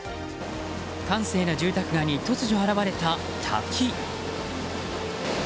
閑静な住宅街に突如現れた滝。